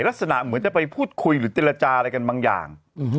ลักษณะเหมือนจะไปพูดคุยหรือเจรจาอะไรกันบางอย่าง